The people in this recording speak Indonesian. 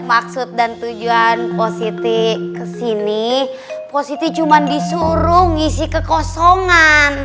maksud dan tujuan positi kesini positi cuma disuruh ngisi kekosongan